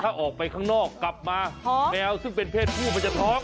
ถ้าออกไปข้างนอกกลับมาแมวซึ่งเป็นเพศผู้มันจะท้อง